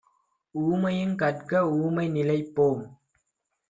ஊமையுங் கற்க ஊமை நிலைபோம்!